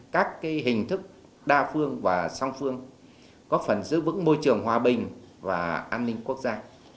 các hình thức đa phương và song phương có phần giữ vững môi trường hòa bình và an ninh quốc gia